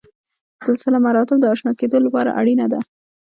سلسله مراتب د اشنا کېدو لپاره اړینه ده.